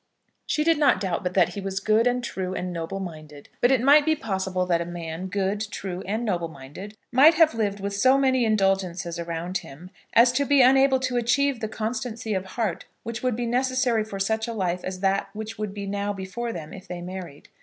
She did not doubt but that he was good, and true, and noble minded; but it might be possible that a man good, true, and noble minded, might have lived with so many indulgences around him as to be unable to achieve the constancy of heart which would be necessary for such a life as that which would be now before them if they married.